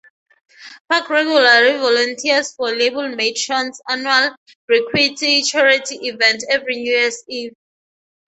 Park regularly volunteers for label-mate Sean's annual briquette charity event every New Year's Eve.